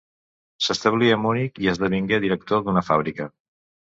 S'establí a Munic i esdevingué director d'una fàbrica.